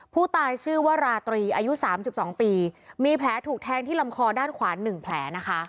ผู้ตายชื่อว่าราตรีอายุ๓๒ปีมีแผลถูกแทงที่ลำคอด้านขวา๑แผลนะคะ